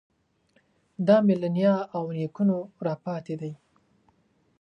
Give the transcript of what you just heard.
دا مې له نیا او نیکونو راپاتې دی.